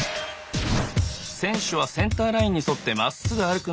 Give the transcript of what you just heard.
選手はセンターラインに沿ってまっすぐ歩くのが絶対条件です。